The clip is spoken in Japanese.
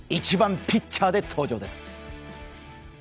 １番ピッチャーで登場です。